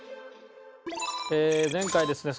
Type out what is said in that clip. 前回ですね